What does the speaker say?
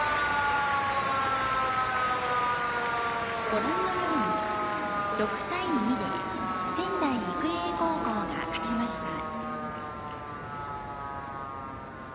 ご覧のように６対２で仙台育英高校が勝ちました。